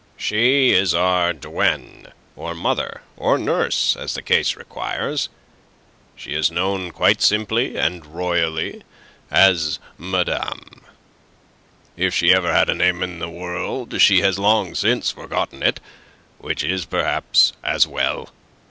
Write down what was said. "She is our Duegne, or Mother, or Nurse, as the case requires. She is known quite simply and royally as Madame. If she ever had a name in the world, she has long since forgotten it, which is perhaps as well.